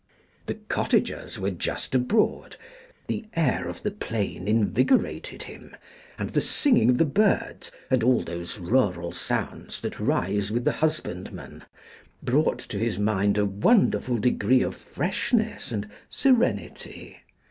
The cottagers were just abroad. The air of the plain invigorated him, and the singing of the birds, and all those rural sounds that rise with the husbandman, brought to his mind a wonderful degree of freshness and serenity.